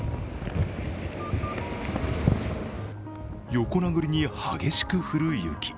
横殴りに激しく降る雪。